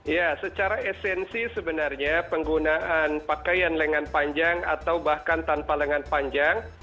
ya secara esensi sebenarnya penggunaan pakaian lengan panjang atau bahkan tanpa lengan panjang